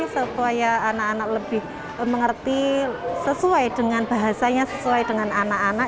supaya anak anak lebih mengerti sesuai dengan bahasanya sesuai dengan anak anak